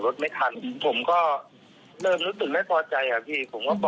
แล้วก็ลงมาทำท่าชีพแบบ